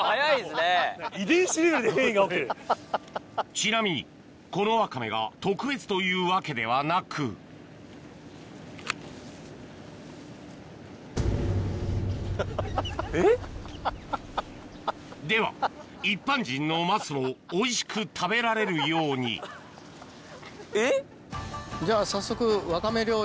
ちなみにこのワカメが特別というわけではなくでは一般人の桝もおいしく食べられるようにえっ？